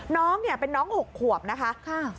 น้องเป็นน้องหกขวบนะคะ